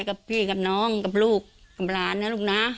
กับพี่กับน้องกับลูกกับหลานนะลูกนะ